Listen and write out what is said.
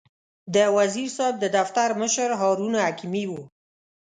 د وزیر صاحب د دفتر مشر هارون حکیمي و.